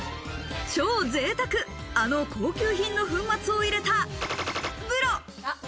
超ぜいたく、あの高級品の粉末を入れた○○風呂。